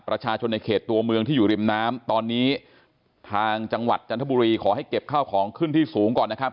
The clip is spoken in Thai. ประชาชนในเขตตัวเมืองที่อยู่ริมน้ำตอนนี้ทางจังหวัดจันทบุรีขอให้เก็บข้าวของขึ้นที่สูงก่อนนะครับ